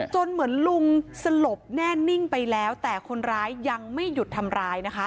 เหมือนลุงสลบแน่นิ่งไปแล้วแต่คนร้ายยังไม่หยุดทำร้ายนะคะ